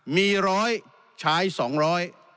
มีร้อยชายสองร้อย